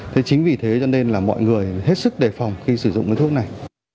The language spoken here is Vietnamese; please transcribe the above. thế chính vì thế cho nên là mọi người hết sức đề phòng khi sử dụng cái thuốc này